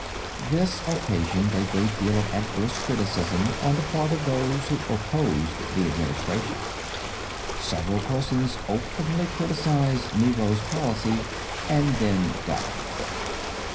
This occasioned a great deal of adverse criticism on the part of those who opposed the administration. Several persons openly criticised Nero's policy and then died.